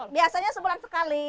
biasanya sebulan sekali